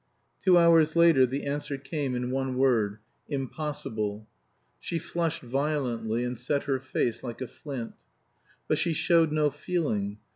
Two hours later the answer came in one word "Impossible." She flushed violently and set her face like a flint. But she showed no feeling.